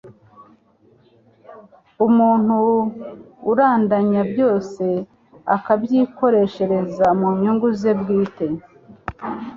Umuntu urundanya byose akabyikoreshereza mu nyungu ze bwite,